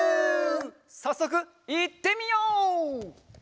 さっそくいってみよう！